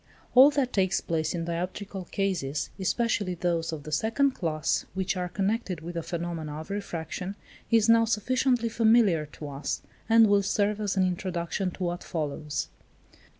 All that takes place in dioptrical cases, especially those of the second class which are connected with the phenomena of refraction, is now sufficiently familiar to us, and will serve as an introduction to what follows.